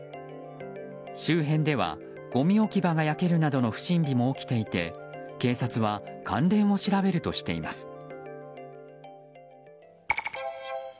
周辺ではごみ置き場が焼けるなどの不審火も起きていて警察は関連を調べるとしています。